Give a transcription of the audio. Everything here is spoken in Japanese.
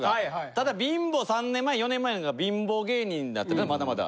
ただ貧乏３年前４年前なんか貧乏芸人だったまだまだ。